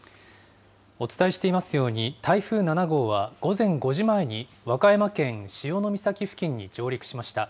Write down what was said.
お伝えしていますように、台風７号は午前５時前に和歌山県潮岬付近に上陸しました。